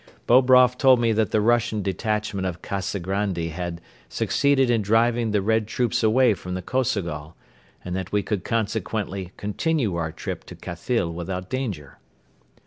Bobroff told me that the Russian detachment of Kazagrandi had succeeded in driving the Red troops away from the Kosogol and that we could consequently continue our trip to Khathyl without danger.